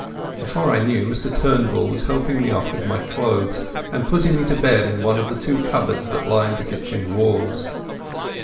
Before I knew, Mr Turnbull was helping me off with my clothes, and putting me to bed in one of the two cupboards that lined the kitchen walls.